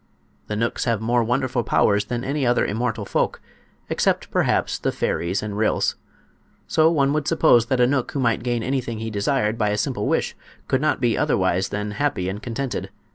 The knooks have more wonderful powers than any other immortal folk—except, perhaps, the fairies and ryls. So one would suppose that a knook who might gain anything he desired by a simple wish could not be otherwise than happy and contented.